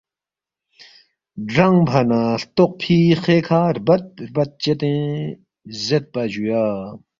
گرانگفا نہ ہلتوقفی خےکھہ ربت ربت چدے زیدپا جُویا